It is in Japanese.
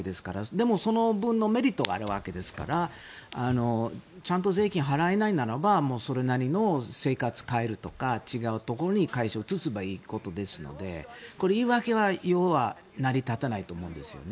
でも、その分のメリットがあるわけですからちゃんと税金を払えないならそれなりに生活を変えるとか違うところに会社を移せばいいことですのでこれ、言い訳は成り立たないと思うんですよね。